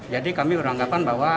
jadi kami beranggapan bahwa